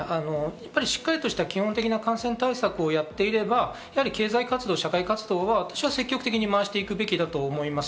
しっかりとした基本的な感染対策をやっていれば、経済活動、社会活動は私は積極的にまわしていくべきだと思います。